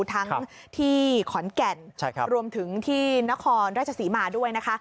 ทั้งที่ขอนแก่นรวมถึงที่นครราชศรีมาด้วยนะคะ